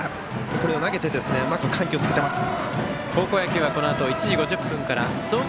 これを投げてうまく緩急をつけています。